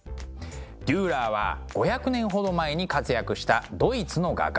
デューラーは５００年ほど前に活躍したドイツの画家。